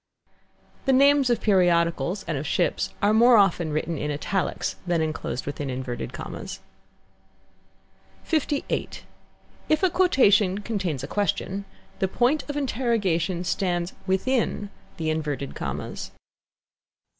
The names of periodicals and of ships are more often written in italics than enclosed within inverted commas. LVIII. If a quotation contains a question, the point of interrogation stands within the inverted commas.